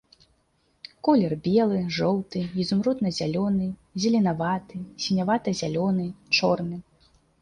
Колер белы, жоўты, ізумрудна-зялёны, зеленаваты, сінявата-зялёны, чорны.